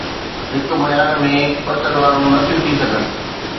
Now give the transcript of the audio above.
هڪ ميان ۾ ٻه تلوارون نٿيون ٿي سگهن